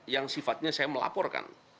yang sifatnya saya melaporkan